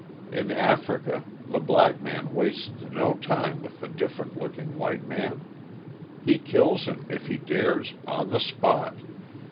In Africa the black man wastes no time with the different looking white man; he kills him, if he dares, on the spot.